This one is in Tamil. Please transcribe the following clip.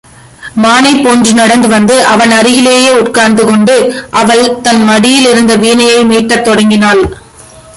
மானைப்போன்று நடந்து வந்து அவனருகிலே உட்கார்ந்து கொண்டு, அவள் தன் மடியில் இருந்த வீணையை மீட்டத் தொடங்கினாள்.